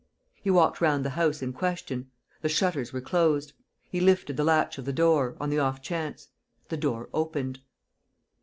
He walked round the house in question. The shutters were closed. He lifted the latch of the door, on the off chance; the door opened.